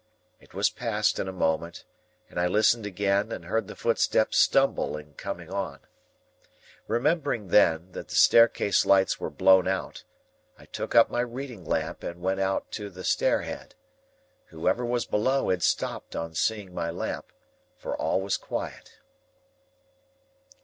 It was past in a moment, and I listened again, and heard the footstep stumble in coming on. Remembering then, that the staircase lights were blown out, I took up my reading lamp and went out to the stair head. Whoever was below had stopped on seeing my lamp, for all was quiet.